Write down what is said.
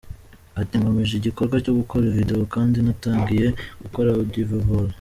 Ati: "Nkomeje igikorwa cyo gukora video kandi natangiye gukora audio Vol.